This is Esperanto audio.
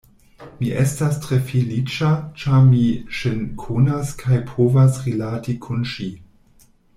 Mi estas tre feliĉa, ĉar mi ŝin konas kaj povas rilati kun ŝi.